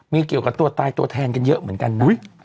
มีเกี่ยวกับตัวตายตัวแทนกันเยอะเหมือนกันนะ